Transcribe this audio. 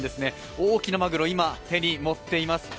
大きなまぐろ、今、手に持っています。